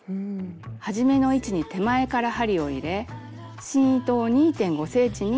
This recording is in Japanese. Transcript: はじめの位置に手前から針を入れ芯糸を２．５ｃｍに整えます。